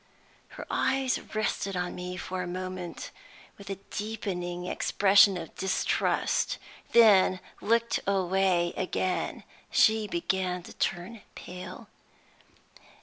Her eyes rested on me for a moment with a deepening expression of distrust, then looked away again. She began to turn pale.